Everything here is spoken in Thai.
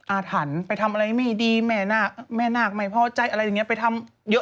อาถรรพ์ไปทำอะไรไม่ดีแม่นาคแม่นาคไม่พอใจอะไรอย่างนี้ไปทำเยอะ